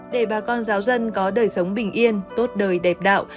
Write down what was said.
để bà con giáo dân có đời sống bình yên tốt đời đẹp đạo